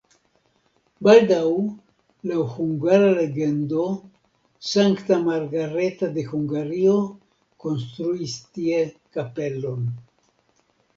Baldaŭ laŭ hungara legendo Sankta Margareta de Hungario konstruis tie kapelon.